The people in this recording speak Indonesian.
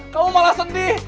kamu malah sedih